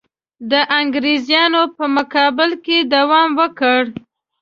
د انګرېزانو په مقابل کې یې دوام ورکړ.